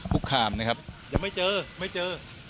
คุกคามนะครับยังไม่เจอไม่เจอ